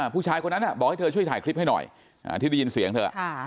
ผู้ชายคนนั้นบอกให้เธอช่วยถ่ายคลิปให้หน่อยที่ได้ยินเสียงเธอ